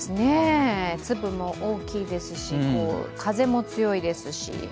粒も大きいですし、風も強いですし。